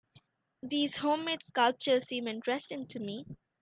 These home-made sculptures seem interesting to me.